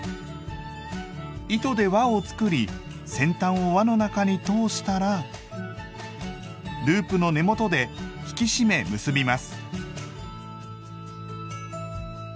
糸で輪を作り先端を輪の中に通したらループの根元で引き締め結びます。